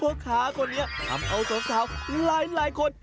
พ่อค้ากลอนเนี่ยทำเอาสู้เบาหลายคน